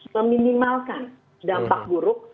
meminimalkan dampak buruk